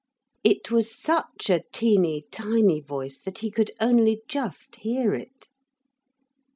It was such a teeny tiny voice that he could only just hear it.